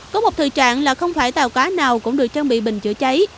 có một thời trạng là không phải tàu cá nào cũng được trang bị bình chữa cháy